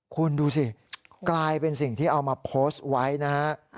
คุณดูสิกลายเป็นสิ่งที่เอามาโพสต์ไว้นะฮะ